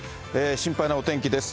心配なお天気です。